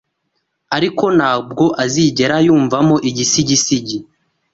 ariko ntabwo azigera yumvamo igisigisigi